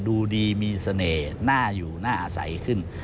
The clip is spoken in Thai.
ดูดีมีเสน่ห์หน้าอยู่หน้าใสขึ้น